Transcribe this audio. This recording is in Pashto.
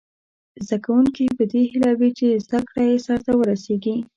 زده کوونکي په دې هیله وي چې زده کړه یې سرته ورسیږي.